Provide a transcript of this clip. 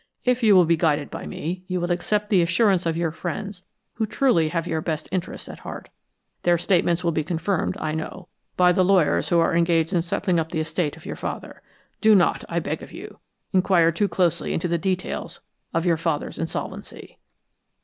If you will be guided by me you will accept the assurance of your friends who truly have your best interests at heart. Their statements will be confirmed, I know, by the lawyers who are engaged in settling up the estate of your father. Do not, I beg of you, inquire too closely into the details of your father's insolvency."